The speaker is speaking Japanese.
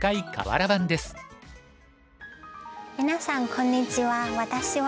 みなさんこんにちは。